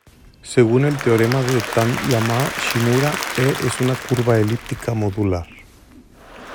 Según el teorema de Taniyama-Shimura, "E" es una curva elíptica modular.